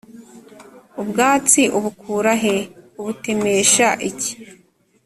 ubwatsi ubukura he ? ubutemesha iki ?»